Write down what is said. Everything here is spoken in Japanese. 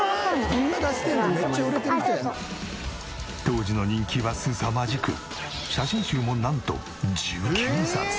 当時の人気はすさまじく写真集もなんと１９冊。